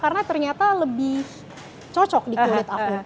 karena ternyata lebih cocok di kulit aku